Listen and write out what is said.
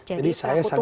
jadi pelaku tunggal ya